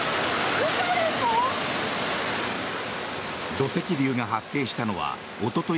土石流が発生したのはおととい